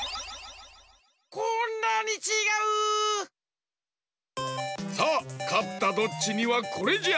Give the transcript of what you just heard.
こんなにちがう！さあかったドッチにはこれじゃ。